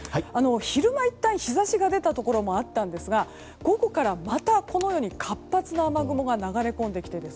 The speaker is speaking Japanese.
昼間、いったん日差しが出たところもあったんですが午後から、また活発な雨雲が流れ込んできて、